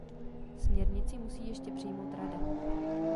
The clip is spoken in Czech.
Směrnici musí ještě přijmout Rada.